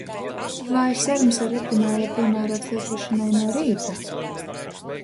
Vai serums ar retinolu ir piemērots lietošanai no rīta?